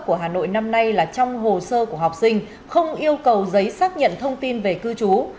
của hà nội năm nay là trong hồ sơ của học sinh không yêu cầu giấy xác nhận thông tin về cư trú